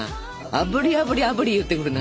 「あぶりあぶりあぶり」言ってくるな。